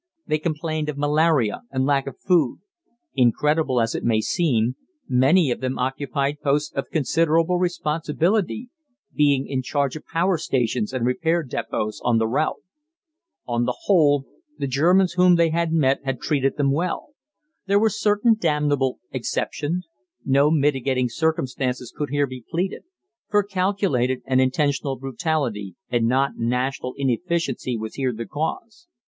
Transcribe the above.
They complained of malaria and lack of food. Incredible as it may seem, many of them occupied posts of considerable responsibility, being in charge of power stations and repair depots on the route. On the whole, the Germans whom they had met had treated them well. There were certain damnable exceptions: no mitigating circumstance could here be pleaded, for calculated and intentional brutality and not national inefficiency was here the cause.